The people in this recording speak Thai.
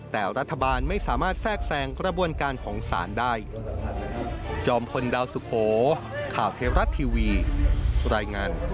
แต่รัฐบาลไม่สามารถแทรกแซงกระบวนการของศาลได้